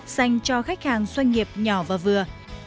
dành cho khách hàng doanh nghiệp nhỏ và vừa